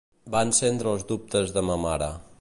Va encendre els dubtes de ma mare.